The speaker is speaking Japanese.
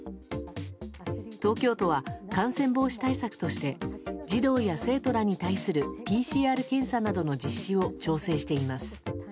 東京都は感染防止対策として児童や生徒らに対するＰＣＲ検査などの実施を調整しています。